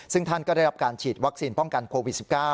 ซึ่งท่านก็ได้รับการฉีดวัคซีนป้องกันโควิด๑๙